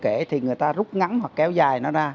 cái lối kể thì người ta rút ngắn hoặc kéo dài nó ra